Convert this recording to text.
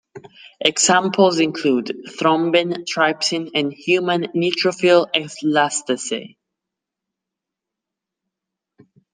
Examples include thrombin, trypsin, and human neutrophil elastase.